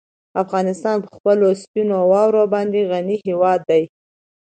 افغانستان په خپلو سپینو واورو باندې غني هېواد دی.